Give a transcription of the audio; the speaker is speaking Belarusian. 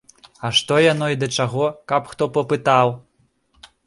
А што яно і да чаго, каб хто папытаў.